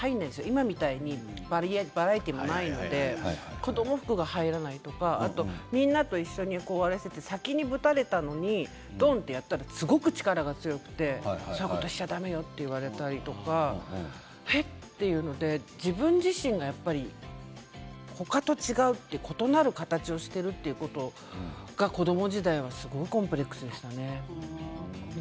今みたいにバラエティーもないので子ども服が入らないとかみんなと一緒にやっていて先にぶたれたのにすごく力が強くてそんなことしちゃだめよと言われて自分自身が他と違う異なる形をしているということが子ども時代はすごくコンプレックスでしたね。